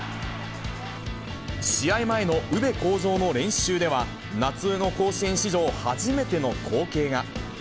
試合前の宇部鴻城の練習では、夏の甲子園史上初めての光景が。